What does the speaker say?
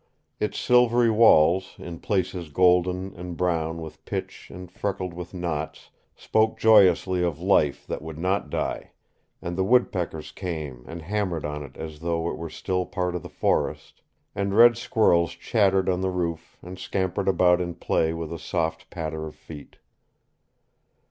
Its silvery walls, in places golden and brown with pitch and freckled with knots, spoke joyously of life that would not die, and the woodpeckers came and hammered on it as though it were still a part of the forest, and red squirrels chattered on the roof and scampered about in play with a soft patter of feet.